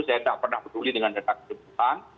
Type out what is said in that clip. saya tidak pernah berdiri dengan data kecepatan